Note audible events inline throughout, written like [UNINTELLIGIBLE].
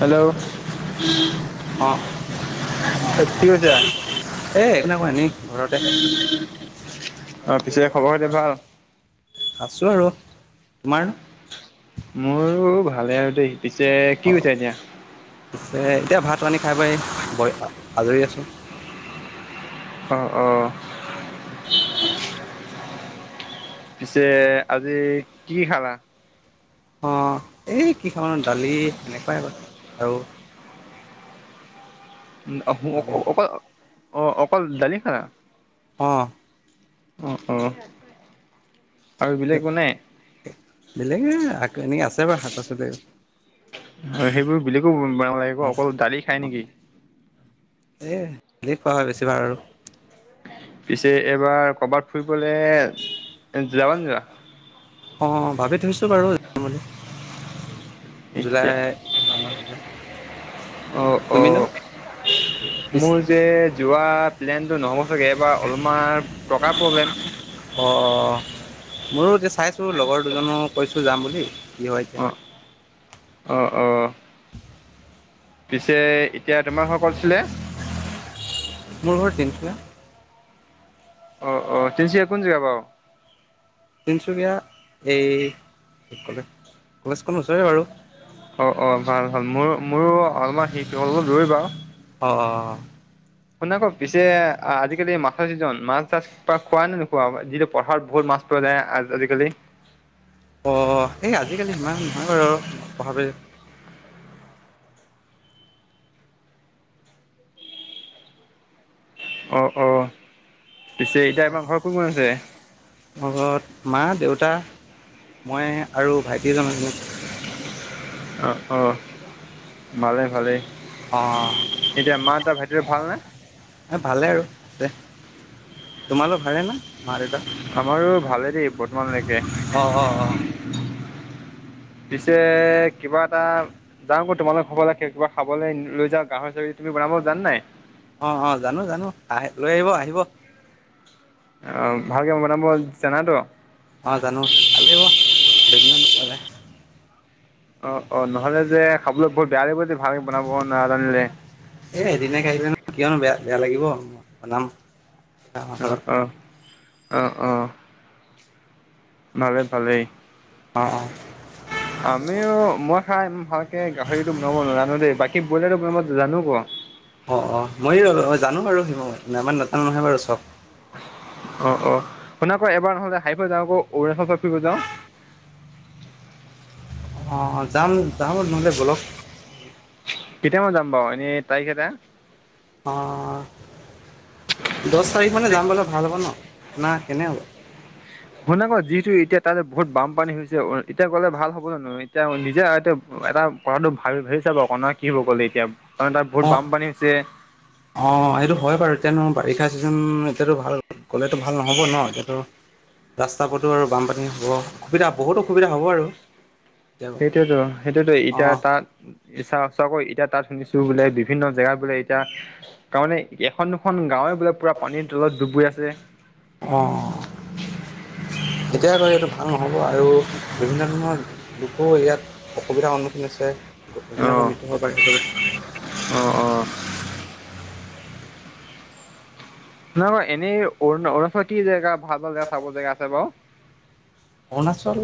Hello. অঁ কি কৈছা? এই একো নাই কৰা এনেই ঘৰতে অ', পিছে খবৰ খাতি ভাল? আছোঁ আৰু তোমাৰ নো? মোৰো ভালে আৰু দেই, পিছে কি কৰিছা এতিয়া? ছে এতিয়া ভাত পানি খাই বই ব আজৰি আছোঁ। অ', অ'। পিছে আজি কি খালা? অ', এই কি খাম আৰু দালি সেনেকুৱাই বাৰ আৰু চয়াবিন অ', অ', অকল ডালিয়ে খালা? অ'। অ', অ' আৰু বেলেগ একো নাই? বেলেগে এ এনেকে আছে বাৰু শাক পাচলি। হয় সেইবোৰ বেলেকো বনাব লাগিব অঁ অকল গালি খাই নেকি? এই হ পোৱা হয় বেছিভাগ আৰু। পিছে এইবাৰ কৰবাত ফুৰিবলৈ এ যাবা ন যা? অ', ভাবি থৈছো বাৰু [UNINTELLIGIBLE] বুলি। জুলাই মানত যাম। অ অ তুমিনো? পিছ মোৰ যে যোৱা প্লেনতটো নহ'ব চাগে, এবাৰ অলপমান টকা প্ৰব্লেম। অ', অ' মোৰো এতিয়া চাইছো লগৰ দুজনো কৈছো যাম বুলি। কি হয় এতিয়া অ', অ' অ'। পিছে এতিয়া তোমাৰ ঘৰ ক'ত আছিলে? মোৰ ঘৰ তিনিচুকীয়া। অ', অ' তিনিচুকীয়া কোন জেগা বাৰু? তিনিচুকীয়া এই কি ক'লে-কলেজখন ওচৰে বাৰু। অ', অ' ভাল ভাল মোৰ মোৰো অলাহ শি অলপ বাৰু। অ', অ'। শুনা আকৌ, পিছে আজিকালি মাছৰ চিজন মাছ চাছ প খোৱ নে নোখোৱাা যিটো পথাৰত বহুত মাছ পোৱা যায় আজিকালি। অ', এই আজিকালি সিমান নহয় বাৰু আৰু [UNINTELLIGIBLE] অ', অ'। [UNINTELLIGIBLE] আমাৰ ঘৰ কোন কোন আছে? মোৰ ঘৰত মা দেউতা মই আৰু ভাইটি এজন আছেঁ। অ', অ' ভালেই ভালেই। এতিয়া মা হতৰ ভাইটিৰে ভাল নে? এ ভালে আৰু দে তোমালোক ভালে না? মা দেটা আমাৰো ভালেই দেই বৰ্তমানলৈকে। অ', অ', অ'। পিছে কিবা এটা যাওঁ আকৌ তোমালোকৰ হ'ব লাগ কিবা খাবলৈ লৈ যাওঁ গাহৰি চাহৰি তুমি বনাব জানা নাই? অ অ জানো জানো আহ লৈ আহিব আহিব অ ভালকে বনাব জানা তো অ জানো আলন অ অ নহলে যে খাবলৈ বৰ বেয়া লাগিব যে ভালকে বনাব নাজানিলে এ এদিনে আহিলে ন কিয়নো বেয়া বেয়া লাগিব বনাম আমাৰ অ ঘৰত অ অ অ পালে পালেহি অঁ আমিও মই খাই ইমান ভালকে গাহৰিটো বনাব নাজানো দেই বাকী ব্ৰইলাৰটো বনাব জানো ক অঁ অঁ মই জানো বাৰু সেইবোৰ ইমান নাজানা নহয় বাৰু চবক অ অ শুন আকৌ এবাৰ নহলে হেই ফালে যাওঁ আকৌ অৰুণাছল ফুৰিব যাওঁ অঁ যাম যাম নহ'লে ব'লক কেতিয়া মই যাম বাৰু এনেই তাৰিখ এটা অঁ দহ তাৰিখ মানে যাম বোলে ভাল হ'ব ন না কেনে হ'ব শুনা আকৌ যিহেটো এতিয়া তা বহুত বানপানী হৈছে এতিয়া গ'লে ভাল হ'ব যানো এতিয়া নিজে এতি এটা কৰাটো ভ ভাবিছা বাৰ কণ কি হ'ব ক'লে এতিয়া তাত বহুত বানপানী হৈছে অ সেইটো হয় বাৰু এতিয়ানো বাৰিষা ছিজন এতিয়াতো ভাল গ'লেতো ভাল নহ'ব ন যিহেতো ৰাস্তা পদো আৰু বানপানী হ'ব অসুবিধা বহুত অসুবিধা হ'ব আৰু কেতিয়াবা সেইটোয়েতো সেইটোতো এতিয়া অঁ তাত চাও চাকৈ এতিয়া তাত শুনিছো বোলে বিভিন্ন জেগাত বোলে এতিয়া তাৰমানে এখন দুখন গাঁওৱে বোলে পুৰা পানীৰ তলত ডুব গৈ আছে অঁ এতিয়া গলেতো এইটো ভাল নহ'ব আৰু বিভিন্ন ধৰণৰ লোকো ইয়াত অসুবিধাৰ সন্মুখীন হৈছে অ', মৃত্যু পাৰে সেইটো অ', অ'। নাই বাৰু অৰুণাছলত কি জেগা ভাল ভাল জেগা চাব জেগা আছে বাৰু অৰুণাচল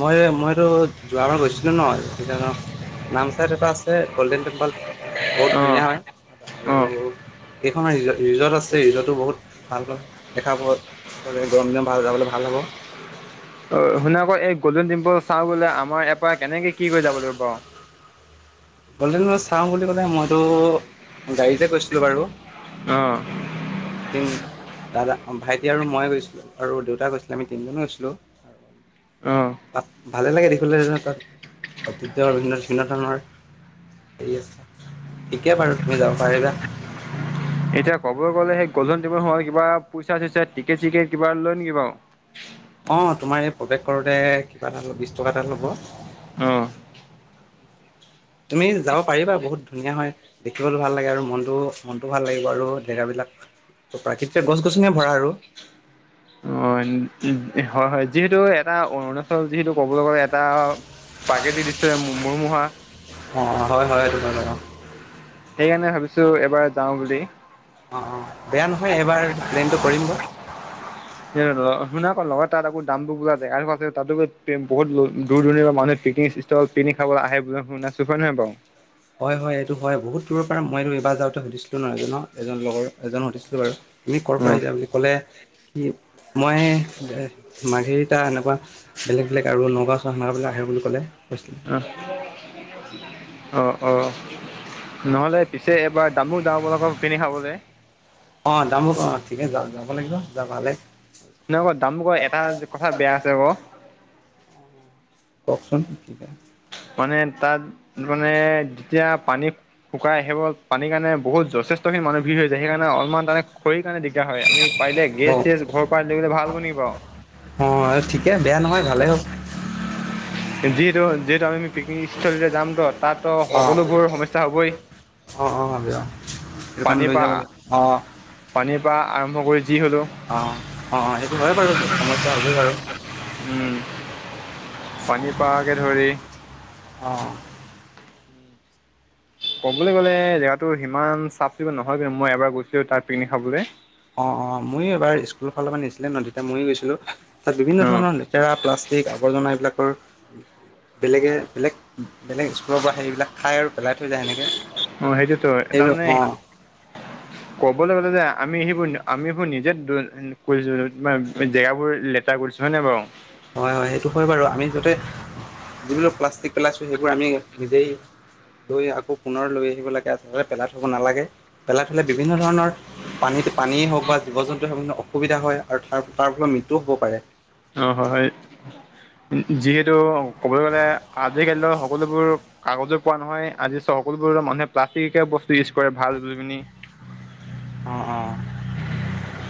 মই মইতো যোৱাবাৰ গৈছিলো ন সেইকাৰণ নামচাইত এটা আছে গ'ল্ডেন টেম্পল বহুত ধুনীয়া অ'। হয় আৰু অ', কেইখনমান ৰিজ ৰিজৰ্ট আছে ৰিজৰ্টো বহুত ভালক দেখা পোৱা গৰম দিনত ভাল যাবলৈ ভাল হ'ব অ শুনা আকৌ এই গ'ল্ডেন টেম্পল চা বোলে আমাৰ ইয়াৰপৰা কেনেকে কি কৰি যাব লাগিব বাৰ অল মই চাওঁ বুলি ক'লে মইতো গাড়ীতে গৈছিলো বাৰু অ তিনি দাদা ভাইটি আৰু মই গৈছিলোঁ আৰু দেউতা গৈছিলে আমি তিনিজনে গৈছিলোঁ অ তাত ভালে লাগে দেখিবলৈ যেনেহ তাত ঐতিহ্য বিভিন্ বিভিন্ন ধৰণৰ আছে ঠিকে বাৰু তুমি যাব পাৰিবা এতিয়া ক'ব গ'লে সেই গল্ডেন টেবুল সোমালে কিবা পইছাচইছা টিকেত চিকেট কিবা লয় নেকি বাৰু অ তোমাৰ এই প্ৰৱেশ কৰোতে কিবা এটা লয় বিশ টকা এটা ল'ব উম তুমি যাব পাৰিবা বহুত ধুনীয়া হয় দেখিবলৈ ভাল লাগে আৰু মনটো মনটো ভাল লাগিব আৰু জেগাবিলাক ত প্ৰাকৃতিক গছ গছনিয়ে ভৰা আৰু অ উ হয় হয় যিহেতু এটা অৰুণাচল যিহেতু কবলৈ গলে এটা প্ৰাকৃতিক দিশ্য মূৰমহা অঁ হয় হয় এইটো হয় বাৰু অঁ সেইকাৰণে ভাবিছোঁ এবাৰ যাওঁ বুলি অঁ অঁ বেয়া নহয় এইবাৰ প্লেইনটো কৰিমগৈ শুনা আকৌ লগত তাত আকৌ দাম বোৰ পোৰা তাতো বহুত দূৰ দূৰ পৰা মানুহে পেকিং তল পিকনিক খাবলৈ আহে বুলি শুনি আছো হয় নহয় বাৰু হয় হয় এইটো হয় বহুত দূৰৰ পৰা মই এইটো এইবাৰ যাওঁতে সুধিছিলো নহয় এজনক এজন লগৰ এজনক সুধিছিলো বাৰু। তুমি ক'ৰ পৰা আহিছা বুলি ক'লে, কি মই মাৰঘেৰিটা এনেকুৱা বেলেগ বেলেগ আৰু নগাঁও চহৰৰ মানুহ বিলাক আহে বুলি ক'লে, কৈছিলে উম। অ' অ' নহ'লে পিছে এবাৰ দামো ডঙবলকৰ পিনি খাবলৈ। অঁ দামো কম অঁ ঠিকে য যাব লাগিব যাবালে। নহয় আকৌ দাম ক এটা কথা বেয়া আছে আকৌ। কওঁকচোন? ঠিক মানে তাত মানে যেতিয়া পানী শুকাই আহিব পানীৰ কাৰণে বহুত যথেষ্টখিনি মানহ ভিৰ হৈ যায়। সেইকাৰণে অলপমান তাতে খৰিৰ কাৰণে দিগদাৰ হয়, আমি পাৰিলে অ গেছ চেজ ঘৰ পৰাাই লৈ গ'লে ভাল হব নেকি বাৰু? অ' ঠিকে বেয়া নহয় ভালেই হ'ব। যিহেতু যিহেতু আমি পিকনিক স্থলীলে যামটো। তাতটো অ সকলোবোৰ সমস্যা হ'বই। সেই কাৰণে পানীৰ লৈ যাব পৰা লাগে। অ' পানীৰ পৰা আৰম্ভ কৰি যি হ'লওঁ। অ' অ' অ' সেইটো হয়ে বাৰু সমস্যা হ'বই বাৰু। পানী পাৰাকে ধৰি অ'। ক'বলৈ গ'লে জেগাটো সিমান চাফ চিকুণ নহয় কিন্তু, মই এবাৰ গৈছিলো তাত পিকনিক খাবলৈ। অ' অ' মইয়ো এবাৰ স্কুলৰ ফালৰ পৰা নিছিলে ন তেতিয়া ময়ো গৈছিলো। তাত বিভিন্ন অ ধৰণৰ লেতেৰা প্লাষ্টিক আৱৰ্জনা এইবিলাকৰ বেলেগে বেলেগ বেলেগ ক'ৰ পৰা সেইবিলাক খাই আৰু পেলাই থৈ যায় সেনেকৈ অ সেইটোতো সেইবিলাক। তাৰমানে অঁ ক'বলৈ গ'লে যে আমি সেইবোৰ আমি সবোৰ নিজে জেগাবোৰ লে তেৰা কৰিছো হয় নে বাৰু? হয় হয় সেইটো হয় বাৰু, আমি যাতে যিবিলাক প্লাষ্টিক পেলাইছো, সেইবোৰ আমি নিজেই লৈ আকৌ পুনৰ লৈ আহিব লাগে, আচলতে পেলাই থ'ব নালাগে। পেলাই থ'লে বিভিন্ন ধৰণৰ পানীত পানীয়েই হওঁক বা জীৱ জন্তুৱ হওঁক মানে অসুবিধা হয় আৰু তাৰ তাৰ ফলৰ মৃত্যুও হ'ব পাৰে। অ' হয় হয়। যিহেতু ক'বলৈ গ'লে আজি কালিলৈ সকলোবোৰ কাগজে কোৱা নহয় আজি চোৱা সকলোবোৰৰ মানুহে প্লাষ্টিকৰ বস্তু ইউজ কৰে ভাল বুলি পিনে। অঁ অঁ।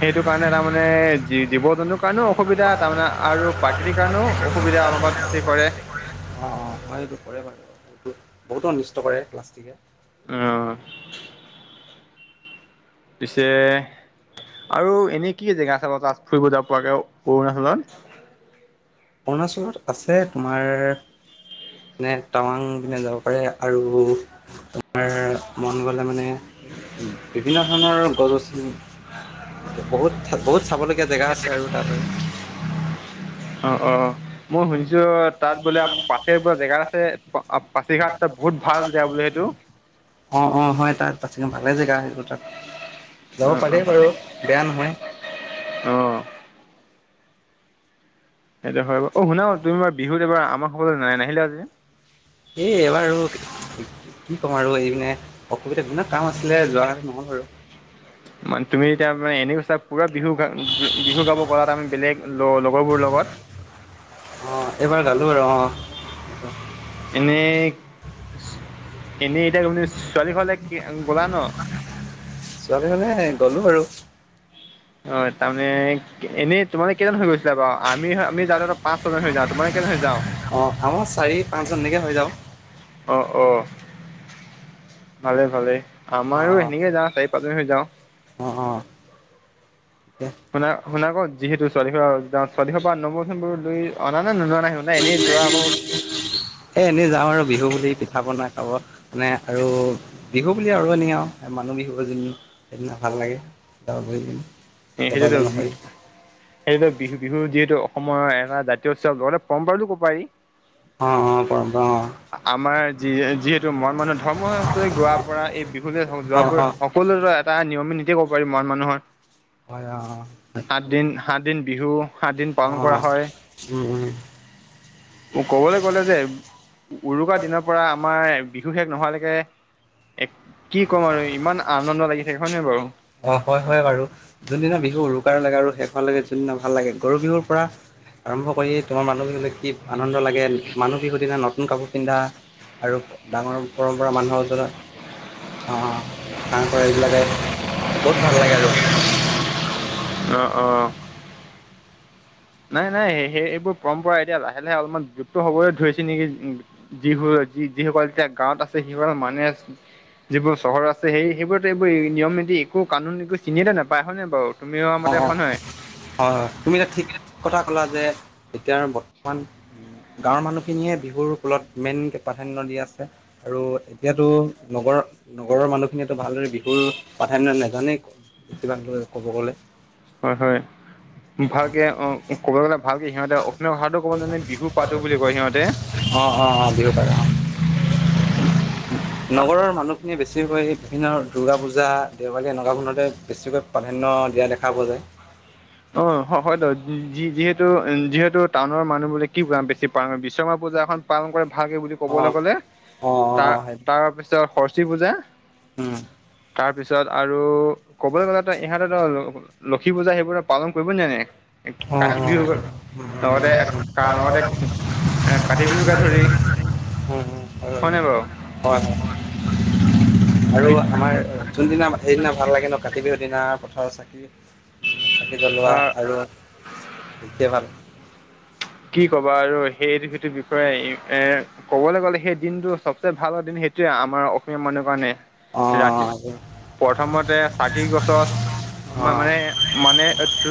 সেইটো কাৰণে তাৰমানে জীৱ জন্তুৰ কাৰণেও অসুবিধা তাৰমানে আৰু প্ৰাকৃতিৰ কাৰণও অসুবিধা। অলপমান কি কৰে অ' অ' হয় এইটো কৰে বাৰু বহুতো অনিষ্ট কৰে প্লাষ্টিকে। অ'। পিছে আৰু এনে কি জেগা আছে তাত ফুৰিব যাব পৰাকৈ অৰুণাচলত? অৰুণাচলত আছে তোমাৰ নে টাৱাং পিনে যাব পাৰি, আৰু তোমাৰ মন গ'লে মানে বিভিন্ন ধৰণৰ গছ গছনি বহুত বহুত চাব লগগীয়া জেগা আছে আৰু তাত আৰু। অঁ অঁ। মই শুনিছো তাত বোলে পাছে বুলি জেগা এটা আছে পাচিঘাটট বহুত ভাল জেগা বোলে সেইটো? অ' অ' হয় তাত পচিঘাট ভালে জেগা সেই তাত যাব অ', পাৰি বাৰু। বেয়া নহয়। অ', অ', সেইটো হয় বাৰু অ' শুনা তুমি বাৰু বিহুত এবাৰ আমাৰ ঘৰলৈ নাহিলা যে? এই এইবাৰ কি ক'ম আৰু এই মানে অসুবিধা বিলাক। কাম আছিলে যোৱাকালি নহ'ল আৰু। মান তুমি এতিয়া এনেওচা পুৰা বিহু গা বি-বিহু গাব গ'লাত আমি বেলেগ ত' লগৰবোৰৰ লগত। অ', এইবাৰ গালো আৰু অ'। এনেই, এনেই এতিয়া তুমি ছোৱালী ঘৰলে কি গ'লা ন? ছোৱালী ঘৰলে গ'লো আৰু। হয়, তাৰমানে এনেই তোমাৰলোকে কেইজন মানুহ গৈছিলা বাৰু আমি [INAUDIBLE] অঁ আমাৰ চাৰি পাঁচজন এনেকৈ হৈ যাওঁ অ', অ' ভালে, ভালে আমাৰো সেনেকে যাওঁ চাৰি পাঁচজন হৈ যাওঁ। অ', অ'। শুনা, শুনা আকৌ যিহেতু ছোৱালী ঘৰ ছোৱালী ঘৰৰ নম্বৰ চম্বৰ লৈ অনা নে [UNINTELLIGIBLE] নে এনেই যোৱা আকৌ এ, এনেই যাওঁ আৰু বিহু বুলি পিঠা পনা খাব। মানে আৰু বিহু বুলি আৰু এনেই আৰু মানুহ বিহু যি সেইদিনা ভাল লাগে। [INAUDIBLE] [INAUDIBLE] কেইবাজনো হৈ সেই বিহু, বিহু যিহেতু অসমৰ এটা জাতীয় উৎসৱ লগতে পৰম্পৰা বুলিও ক'ব পাৰি। অ', অ', পৰম্পৰা অ'। আমাৰ যি-যিহেতু মৰান মানুহৰ ধৰ্মই গোৱাপাৰা এই বিহু অঁ যোৱাবোৰ অঁ সকলোলৈ এটা নিয়ম নীতি ক'ব পাৰি মানুহৰ। হয়, অ'। সাতদিন, সাতদিন বিহু সাতদিন পালন কৰা অঁ হয়। উম, উম। ক'বলৈ গ'লে যে উৰুকা দিনৰ পৰা আমাৰ বিহু শেষ নোহোৱালেকে এ, কি ক'ম আৰু ইমান আনন্দ লাগি থাকে হয়, নহয় বাৰু। অ', হয়, হয়, বাৰু যোনদিনা বিহু উৰুকাৰ লাগে আৰু শেষহোৱাৰ লৈকে যোনদিনা ভাললাগে গৰু বিহুৰ পৰা আৰম্ভ কৰি তোমাৰ মানুহ বিহুলৈ কি আনন্দ লাগে মানুহ বিহুৰ দিনা নতুন কাপোৰ পিন্ধা আৰু ডাঙৰ পৰম্পৰা মানুহৰ [UNINTELLIGIBLE] অ', [UNINTELLIGIBLE] এইবিলাকে বহুত ভাললাগে আৰু। অ', অ'। নাই, নাই সেই এইবোৰ পৰম্পৰা এতিয়া লাহে, লাহে অলপমান লুপ্ত হবলৈ ধৰিছে নেকি যি-যি-যিসকল এতিয়া গাঁৱত আছে সিসকলে মানে যিবোৰ চহৰত আছে সেই-সেইবোৰত এইবোৰ নিয়ম নীতি একো কানুন একো চিনিয়ে নেপায় হয়নে অঁ অঁ বাৰু! [INAUDIBLE] হয়, হয়, তুমি এতিয়া ঠিক কথা ক'লা যে এতিয়া বৰ্তমান গাঁৱৰ মানুহখিনিয়ে বিহুৰ ফলত মেইন প্ৰাধান্য দি আছে। আৰু এতিয়াতো নগৰত নগৰৰ মানুহখিনিয়েতো ভালদৰে বিহুৰ প্ৰাধান্য নাজানেই কিবাকিবি ক'ব [UNINTELLIGIBLE] হয়, হয়। ভালকে অ', ক'ব গ'লে ভালকে সিহঁতে অসমীয়া ভাষাতো ক'ব নাজানে বিহু পাতো বুলি কয় সিহঁতে। অ', অ', অ' বিহু পাতে অ'। নগৰৰ মানুহখিনি বেছিকৈ বিভিন্ন দুৰ্গা পূজা দেৱালী এনেকুৱাবোৰতহে বেছিকৈ প্ৰাধান্য দিয়া দেখা পোৱা যায়। অ', হয়-হয়তো যিহেতু উম, যিহেতু টাউনৰ মানুহবোৰে কি [UNINTELLIGIBLE] বেছি পালন বিশ্বকৰ্মা পূজাখন পালন কৰে ভালকে বুলি ক'বলৈ অ', গ'লে অ', তাৰ, অ', সেইটো তাৰ পিছত সৰস্বতী পূজা উম, তাৰপিছত আৰু ক'বলৈ গ'লেতো ইহঁতেতো ল-ল-লক্ষী পূজা সেইবোৰ পালন কৰিবই নাজানে, অ', কাতি বিহু অ'। লগতে কা লগতে এ, কাতি বিহুকে ধৰি উম, হম, হয় হয়নে বাৰু? বাৰু হয় হয়, আৰু আমাৰ যোনদিনা সেইদিনা ভাল লাগে ন' কাতি বিহুৰ দিনা পথাৰৰ চাকি। উম, চাকি জ্বলোৱা অ' আৰু দেখিয়ে ভাল কি ক'বা আৰু সেইটো সেইটো বিষয়ে এ ক'বলৈ গ'লে সেই দিনটো চবচে ভাল দিন সেইটোৱে আমাৰ অসমীয়া মানুহৰ কাৰণে। ৰাতি অ', প্ৰথমতে চাকি গছত বা মানে অ', মানে, তো-তো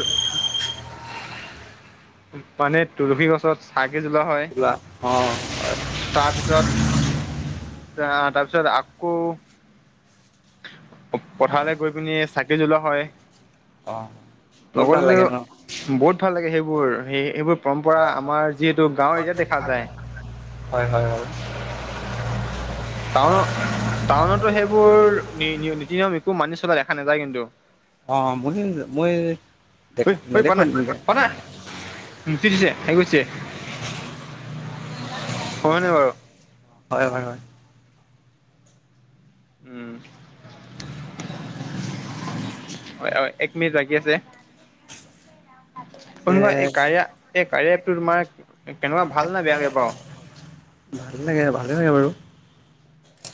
মানে তুলসী গছত চাকি জ্বলোৱা হয় [INAUDIBLE] তাৰ পিছত আকৌ পথাৰলে গৈ পিনি চাকি জ্বলোৱা হয়। অ'। বহুত ভাল লগতে লাগে ন' বহুত ভাল লাগে সেইবোৰ সেই সেইবোৰ পৰম্পৰা আমাৰ যিহেতু গাঁৱৰ এৰিয়াত দেখা যায়। হয়, হয়, হয়। টাউন, টাউনতো সেইবোৰ নি-নীতি নিয়ম একো মানি চলা দেখা নাযায় কিন্তু। অ', মই, মই ঐ দেখা ঐ প নেদেখো নাই, তেনেকে। প নাই ঠিছে হে কৰিছে। হয়, নে বাৰু! হয়, হয়, হয়। উম। [UNINTELLIGIBLE] একমিনিট বাকী আছে। [INAUDIBLE] [UNINTELLIGIBLE] ভাল কোনোবা এই কাৰিয়া এই কাৰিয়া এপটো তোমাৰ কেনেকুৱা ভাল নে বেয়াকে বাৰু লাগে, ভালে লাগে বাৰু